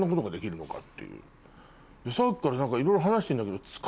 さっきからいろいろ話してんだけど。